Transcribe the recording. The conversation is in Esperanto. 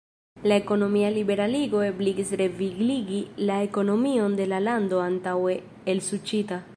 La ekonomia liberaligo ebligis revigligi la ekonomion de la lando antaŭe elsuĉita.